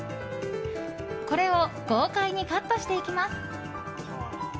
これを豪快にカットしていきます。